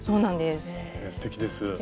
すてきです。